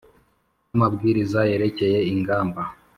n amabwiriza yerekeye ingamba